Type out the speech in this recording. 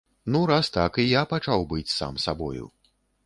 Ну, раз так, і я пачаў быць сам сабою.